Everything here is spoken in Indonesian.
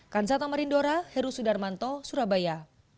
kansato marindora heru sudarmanto surabaya